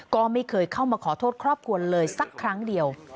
ก็ไม่เคยเข้ามาขอโทษครอบครัวเลยสักครั้งเดียว